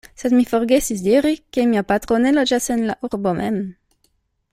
Sed mi forgesis diri, ke mia patro ne loĝas en la urbo mem.